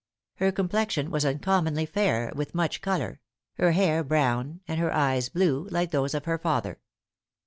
Her complexion was uncommonly fair, with much color; her hair brown, and her eyes blue, like those of her father.